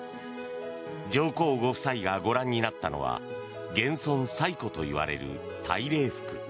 上皇ご夫妻がご覧になったのは現存最古といわれる大礼服。